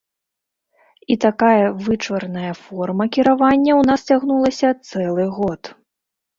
І такая вычварная форма кіравання ў нас цягнулася цэлы год.